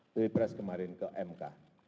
di pres kemarin ke mk